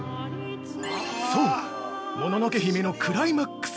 ◆そう、「もののけ姫」のクライマックス。